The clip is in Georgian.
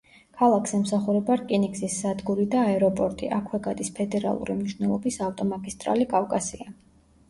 ქალაქს ემსახურება რკინიგზის სადგური და აეროპორტი; აქვე გადის ფედერალური მნიშვნელობის ავტომაგისტრალი „კავკასია“.